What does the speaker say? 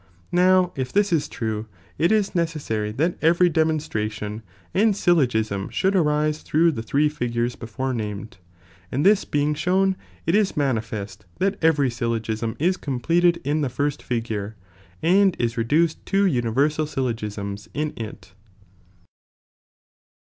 Now if this is true, it is necessary that every demonstration and syilogiam should arise .,,,„ through the three figures before named, and this gamt.uuu being shown, it is mamiest that every syllogism rapfiuiiiticn 's completed in the first figure, and is reduced to universal syllogisms in it.